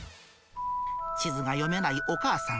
地図が読めないお母さん。